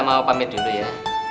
mau pamit dulu ya